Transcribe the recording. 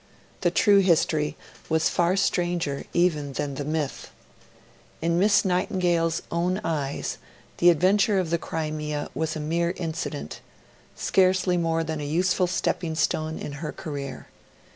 The true history was far stranger even than the myth. In Miss Nightingale's own eyes the adventure of the Crimea was a mere incident scarcely more than a useful stepping stone in her career.